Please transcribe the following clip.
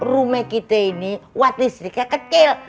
rumah kita ini watt listriknya kecil